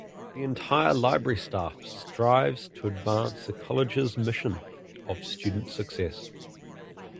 The entire library staff strives to advance the college's mission of student success.